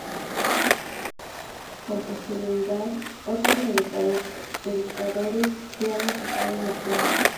Con posterioridad otros educadores se han ocupado del tema.